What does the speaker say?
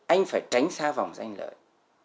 anh phải tránh xa vòng danh lợi